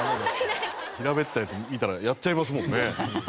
平べったいやつ見たらやっちゃいますもんね。